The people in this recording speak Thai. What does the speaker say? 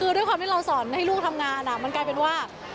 คือด้วยความที่เราสอนให้ลูกทำงานมันกลายเป็นว่า